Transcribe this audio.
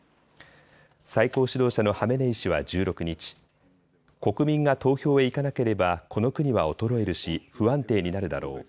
最高指導者のハメネイ師は１６日、国民が投票へ行かなければこの国は衰えるし不安定になるだろう。